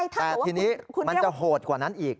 แต่ทีนี้มันจะโหดกว่านั้นอีก